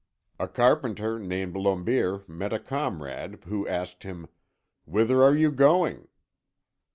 A carpenter named Lombier met a comrade, who asked him: "Whither are you going?"